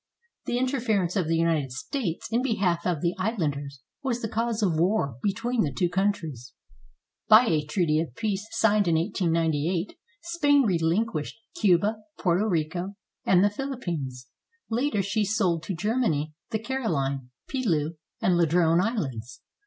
The interference of the United States in behalf of the islanders was the cause of war between the two countries. By a treaty of peace signed in 1898, Spain relinquished Cuba, Porto Rico, and the Philippines. Later, she sold to Germany the CaroHne, Pelew, and Ladrone Islands.